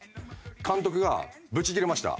監督がブチギレました。